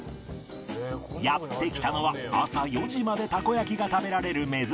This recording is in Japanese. やって来たのは朝４時までたこ焼が食べられる珍しいお店池下